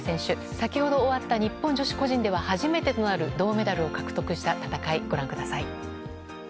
先ほど終わった日本女子個人では初となる銅メダルを獲得した戦いをご覧ください。